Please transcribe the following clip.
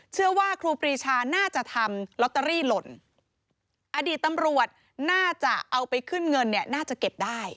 ครูปรีชาน่าจะทำลอตเตอรี่หล่นอดีตตำรวจน่าจะเอาไปขึ้นเงินเนี่ยน่าจะเก็บได้